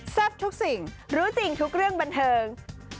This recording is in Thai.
แซ่บทุกสิ่งรู้สิ่งทุกเรื่องบันเทิง